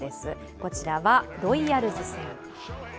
こちらはロイヤルズ戦。